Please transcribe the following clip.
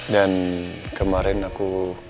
dan kemarin aku